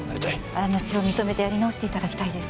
過ちを認めてやり直していただきたいです。